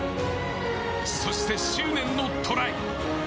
そして、執念のトライ。